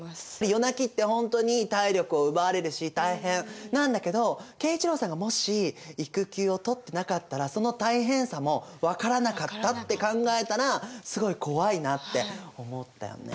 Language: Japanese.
夜泣きってほんとに体力を奪われるし大変なんだけど慶一郎さんがもし育休を取ってなかったらその大変さも分からなかったって考えたらすごい怖いなって思ったよね。